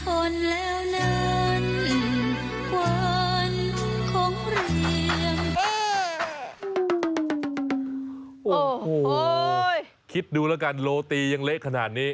โอ้โหคิดดูแล้วกันโรตียังเละขนาดนี้